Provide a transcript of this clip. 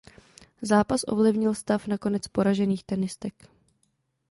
Zápas ovlivnil stav nakonec poražených tenistek.